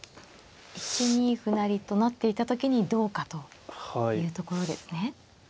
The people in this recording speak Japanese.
１二歩成と成っていった時にどうかというところですね。